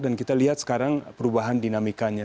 dan kita lihat sekarang perubahan dinamikanya